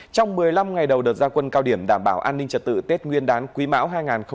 trong một mươi năm ngày đầu đợt gia quân cao điểm đảm bảo an ninh trật tự tết nguyên đán quý mão hai nghìn hai mươi bốn